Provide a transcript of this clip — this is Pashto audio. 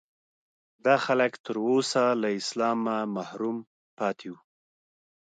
دا خلک تر اوسه له اسلامه محروم پاتې وو.